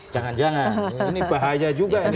jangan jangan ini bahaya juga ini